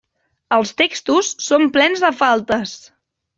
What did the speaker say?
Els textos són plens de faltes.